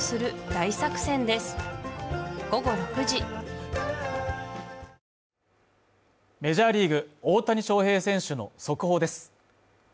ニトリメジャーリーグ大谷翔平選手の速報です。